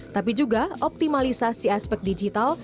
tapi juga optimalisasi aspek digital